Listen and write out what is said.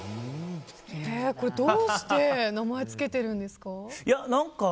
これどうして名前を付けているんですか。